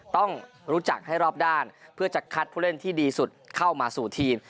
ต้องรู้จักให้รอบด้านเพื่อจะคัดผู้เล่นที่ดีสุดเข้ามาสู่ทีม